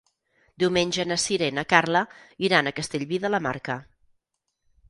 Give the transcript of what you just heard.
Diumenge na Sira i na Carla iran a Castellví de la Marca.